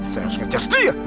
saya harus ngejar dia